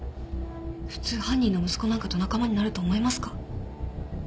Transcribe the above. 普通犯人の息子なんかと仲間になると思いますか？